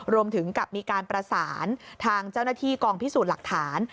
รวมถึงกับมีการประสานทางเจ้าหน้าที่กองพิสูจน์หลักฐาน